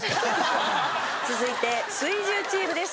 続いて水１０チームです。